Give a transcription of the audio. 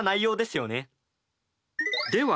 では